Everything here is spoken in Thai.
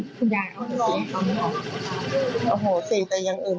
ในส่วนของการดำเนินคดีเปล่าดำเนินการยังไงบ้าง